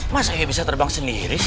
masa ini bisa terbang sendiri sih